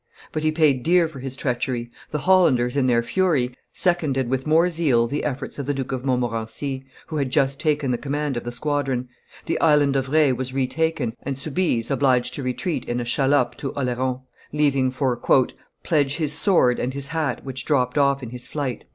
But he paid dear for his treachery: the Hollanders, in their fury, seconded with more zeal the efforts of the Duke of Montmorency, who had just taken the command of the squadron; the Island of Re was retaken and Soubise obliged to retreat in a shallop to Oleron, leaving for "pledge his sword and his hat, which dropped off in his flight."